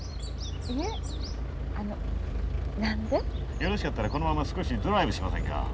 よろしかったらこのまま少しドライブしませんか？